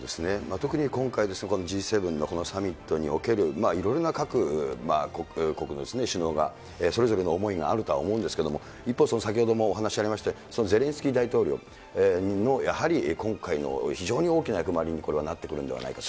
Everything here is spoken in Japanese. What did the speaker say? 特に今回、このＧ７のこのサミットにおける、いろいろな各国の首脳が、それぞれの思いがあるとは思うんですけれども、一方、先ほどもお話がありましたゼレンスキー大統領の、やはり今回の非常に大きな役割にこれはなってくるんじゃないかと。